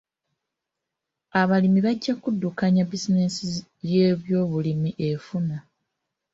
Abalimi bajja kuddukanya bizinensi y'ebyobulimi efuna.